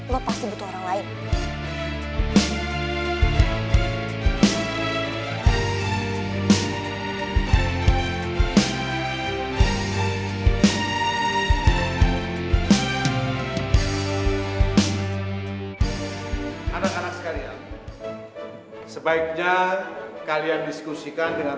lo pasti butuh orang lain